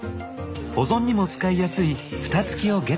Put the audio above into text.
保存にも使いやすいフタつきをゲット。